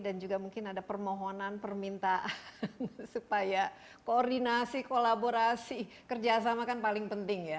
dan juga mungkin ada permohonan permintaan supaya koordinasi kolaborasi kerjasama kan paling penting ya